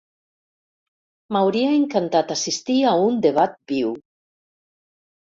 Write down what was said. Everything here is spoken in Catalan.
M'hauria encantat assistir a un debat viu.